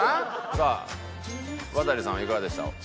さあワタリさんはいかがでした？